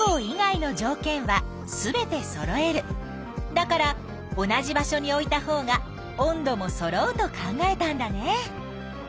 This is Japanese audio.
だから同じ場所に置いたほうが温度もそろうと考えたんだね。